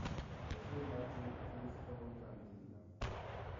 Le sue immagini finiscono in cantina.